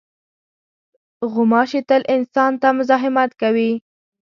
غوماشې تل انسان ته مزاحمت کوي.